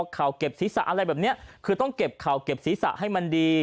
เข่าเก็บศีรษะอะไรแบบนี้คือต้องเก็บเข่าเก็บศีรษะให้มันดี